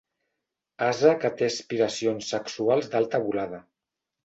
Ase que té aspiracions sexuals d'alta volada.